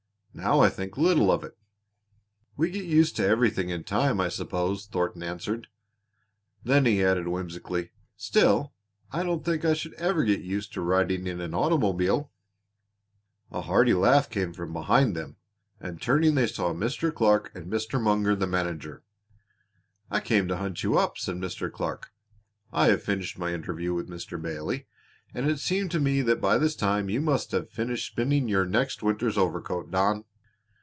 Now I think little of it." "We get used to everything in time, I suppose," Thornton answered; then he added whimsically: "Still, I don't think I should ever get used to riding in an automobile." A hearty laugh came from behind them, and turning they saw Mr. Clark and Mr. Munger, the manager. "I came to hunt you up," said Mr. Clark. "I have finished my interview with Mr. Bailey, and it seemed to me that by this time you must have finished spinning your next winter's overcoat, Don."